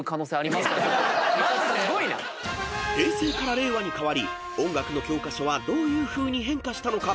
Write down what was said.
マジで⁉［平成から令和に変わり音楽の教科書はどういうふうに変化したのか？